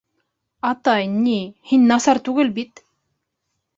— Атай, ни, һин насар түгел бит.